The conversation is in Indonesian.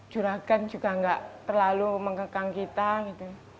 juragan juga nggak terlalu mengekang kita gitu